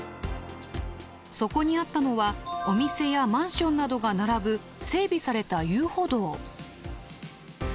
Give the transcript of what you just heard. そこにあったのはお店やマンションなどが並ぶ整備された遊歩道。